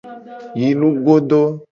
Yi nugodo.